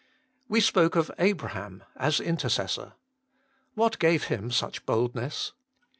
We spoke of Abraham as intercessor. What gave Him such boldness